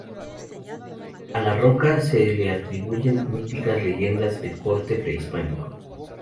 A la roca se le atribuyen míticas leyendas de corte prehispánico.